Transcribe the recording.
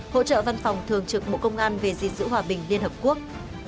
hỗ trợ văn phòng thường trực bộ công an về di dự hòa bình liên hợp quốc